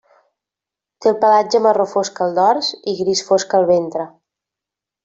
Té el pelatge marró fosc al dors i gris fosc al ventre.